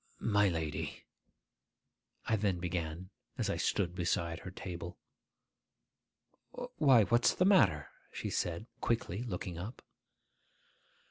'My lady,' I then began, as I stood beside her table. 'Why, what's the matter?' she said quickly, looking up.